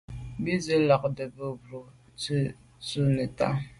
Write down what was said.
Bì sə̂’ lá’ ndɛ̂mbə̄bɑ̌k lá mə̀bró ŋgə́ tswə́ nə̀tá.